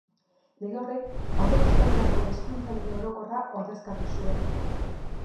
Lege horrek aurreko Espainiako Hezkuntza Lege Orokorra ordezkatu zuen.